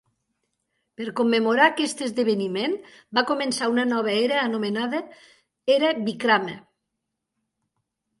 Per commemorar aquest esdeveniment, va començar una nova era anomenada "era Vikrama".